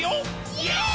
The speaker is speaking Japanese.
イエーイ！！